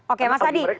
oke mas adi